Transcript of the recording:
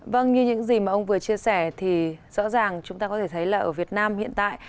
vâng như những gì mà ông vừa chia sẻ thì rõ ràng chúng ta có thể thấy là ở việt nam hiện tại